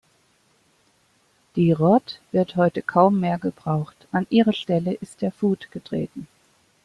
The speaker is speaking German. Die "Rod" wird heute kaum mehr gebraucht; an ihre Stelle ist der Foot getreten.